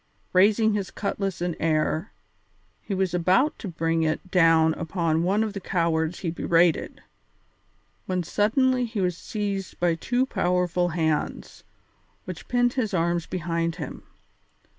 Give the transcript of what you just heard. Raising his cutlass in air, he was about to bring it down upon one of the cowards he berated, when suddenly he was seized by two powerful hands, which pinned his arms behind him.